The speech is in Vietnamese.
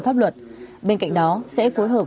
pháp luật bên cạnh đó sẽ phối hợp